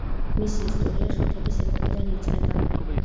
მისი ისტორია ხეთების ეპოქიდან იწყება.